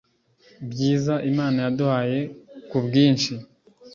byiza Imana yaduhaye ku bwinshi